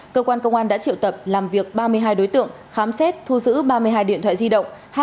cơ quan công an đã triệu tập làm việc ba mươi hai đối tượng khám xét thu giữ ba mươi hai điện thoại di động